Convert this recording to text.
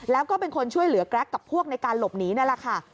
แล้วก็เป็นคนช่วยเหลือแกรกกับพวกในการหลบหนีนั่นแหละค่ะ